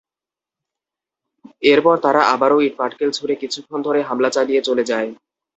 এরপর তারা আবারও ইট-পাটকেল ছুড়ে কিছুক্ষণ ধরে হামলা চালিয়ে চলে যায়।